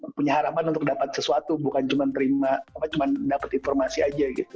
punya harapan untuk dapat sesuatu bukan cuma dapat informasi aja gitu